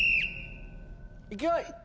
勢い！